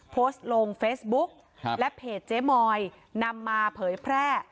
โพสต์ลงเฟซบุ๊กและเพจเจ๊มอยนำมาเผยแพร่